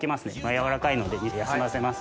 軟らかいので休ませます。